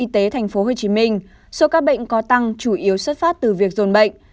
tp hcm số ca bệnh có tăng chủ yếu xuất phát từ việc dồn bệnh